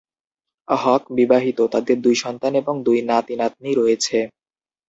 হক বিবাহিত; তাদের দুই সন্তান এবং দুই নাতি-নাতনী রয়েছে।